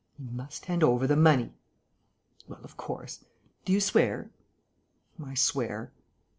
"He must hand over the money!" "Well, of course. Do you swear?" "I swear."